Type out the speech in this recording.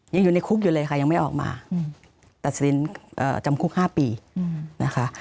ยังอยู่ในคุกอยู่เลยค่ะยังไม่ออกมาตัดสินจำคุก๕ปีนะคะ